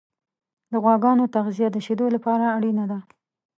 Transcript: د غواګانو تغذیه د شیدو لپاره اړینه ده.